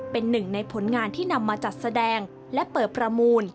เป็นหนึ่งในผลงานที่นำมาจัดแสดงและเปิดประมูล